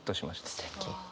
すてき。